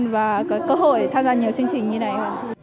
và có cơ hội tham gia nhiều chương trình như này